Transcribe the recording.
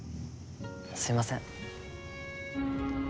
すいません。